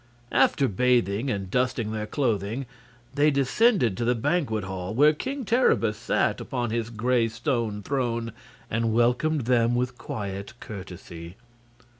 After bathing and dusting their clothing they descended to the banquet hall, where King Terribus sat upon his gray stone throne and welcomed them with quiet courtesy.